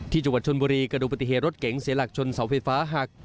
จังหวัดชนบุรีกระดูกปฏิเหตุรถเก๋งเสียหลักชนเสาไฟฟ้าหัก